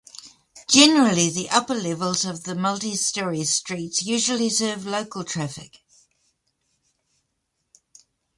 Generally, the upper levels of the multi-level streets usually serve local traffic.